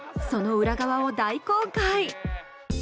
その裏側を大公開！